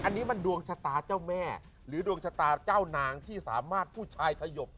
อันนี้มันดวงชะตาเจ้าแม่หรือดวงชะตาเจ้านางที่สามารถผู้ชายสยบ